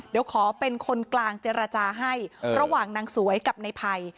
เดี๋ยวขอเป็นคนกลางเจรจาให้ระหว่างนางสวยกับในภัย